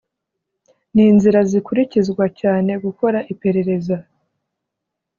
n inzira zikurikizwa cyangwa gukora iperereza